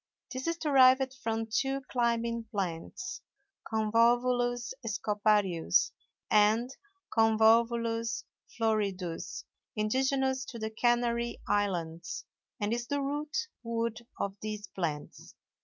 This is derived from two climbing plants, Convolvulus scoparius and Convolvulus floridus, indigenous to the Canary islands, and is the root wood of these plants.